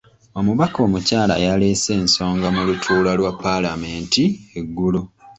Omubaka omukyala yaleese ensonga mu lutuula lwa paalamenti eggulo.